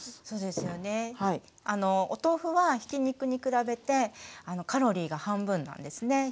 そうですよねお豆腐はひき肉に比べてカロリーが半分なんですね。